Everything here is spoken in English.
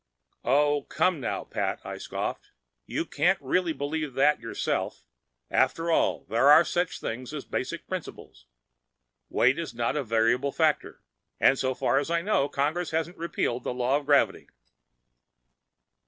"Oh, come now, Pat!" I scoffed. "You can't really believe that yourself. After all, there are such things as basic principles. Weight is not a variable factor. And so far as I know, Congress hasn't repealed the Law of Gravity."